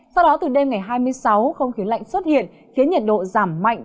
sau đó từ đêm ngày hai mươi sáu không khí lạnh xuất hiện khiến nhiệt độ giảm mạnh